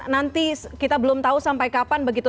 nanti kita belum tahu sampai kapan begitu